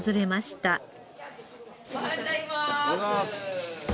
おはようございます。